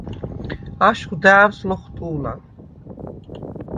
აშხვ და̄̈ვს ლოხვტუ̄ლა: